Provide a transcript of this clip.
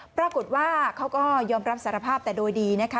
ปรากฏว่าเขาก็ยอมรับสารภาพแต่โดยดีนะคะ